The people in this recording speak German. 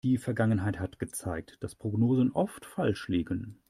Die Vergangenheit hat gezeigt, dass Prognosen oft falsch liegen.